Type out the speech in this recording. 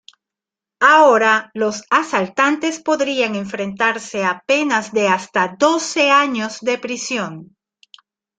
Ahora, los asaltantes podrían enfrentarse a penas de hasta doce años de prisión.